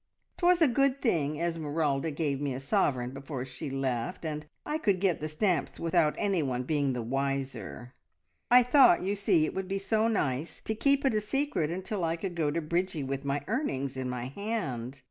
"Twas a good thing Esmeralda gave me a sovereign before she left, and I could get the stamps without anyone being the wiser. I thought, you see, it would be so nice to keep it a secret until I could go to Bridgie with my earnings in my hand.